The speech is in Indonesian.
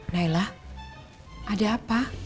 nayla ada apa